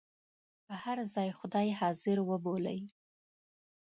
هر ځای خدای حاضر وبولئ.